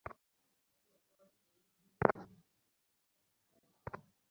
তার থেকে প্রমাণ হয় এখানে অতীনের কোনো-এক দোসর আছে।